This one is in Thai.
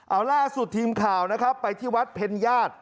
เอาล่าสุดทีมข่าวนะครับไปที่วัดเพ็ญญาติ